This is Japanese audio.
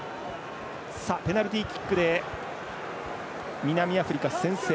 ペナルティキックで南アフリカ先制。